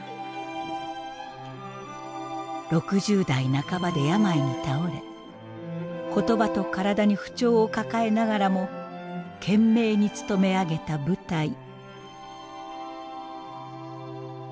６０代半ばで病に倒れ言葉と体に不調を抱えながらも懸命につとめ上げた舞台。